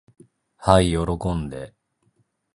はい喜んで。